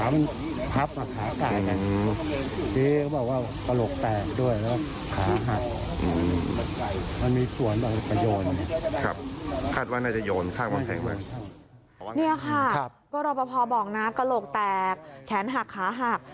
นี่ค่ะก็รอปภบอกนะกระโหลกแตกแขนหักขาหัก